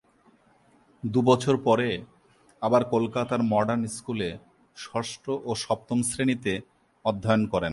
দু'বছর পরে আবার কলকাতার মডার্ন স্কুলে ষষ্ঠ ও সপ্তম শ্রেণিতে অধ্যয়ন করেন।